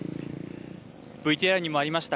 ＶＴＲにもありました